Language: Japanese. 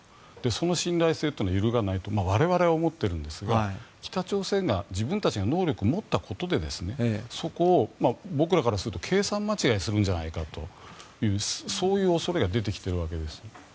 その信頼性というのは揺るがないと我々は思っているんですが北朝鮮が自分たちが能力を持ったことでそこを僕らからすると計算間違いをするのではないかとそういう恐れが出てきているわけです。